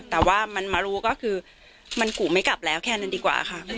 แต่ว่ามันมารู้ก็คือมันกูไม่กลับแล้วแค่นั้นดีกว่าค่ะ